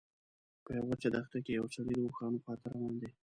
په یوه وچه دښته کې یو سړی د اوښانو خواته روان دی.